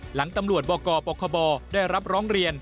หลังตำรวจบกปคบได้รับร้องเรียน